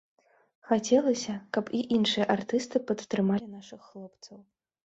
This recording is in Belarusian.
Хацелася, каб і іншыя артысты падтрымалі нашых хлопцаў.